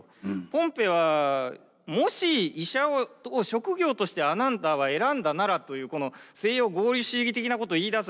ポンペはもし医者を職業としてあなたは選んだならというこの西洋合理主義的なことを言いだすわけですよね。